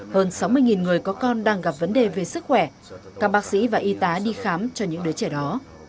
hơn sáu mươi người có con đang gặp vấn đề về sức khỏe các bác sĩ và y tá đi khám cho những đứa trẻ đó